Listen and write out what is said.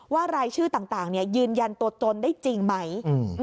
รายชื่อต่างยืนยันตัวตนได้จริงไหม